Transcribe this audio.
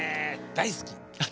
大好き。